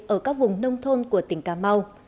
ở các vùng nông thôn của tỉnh cà mau